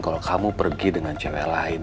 kalau kamu pergi dengan cewek lain